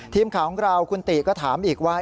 ทีมข่าวของเราคุณกิติศักดิ์ก็ถามอีกว่า